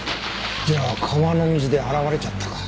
じゃあ川の水で洗われちゃったか。